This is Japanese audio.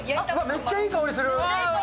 めっちゃいい香りする！